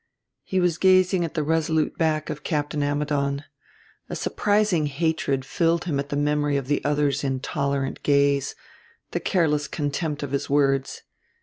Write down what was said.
He was gazing at the resolute back of Captain Ammidon. A surprising hatred filled him at the memory of the other's intolerant gaze, the careless contempt of his words.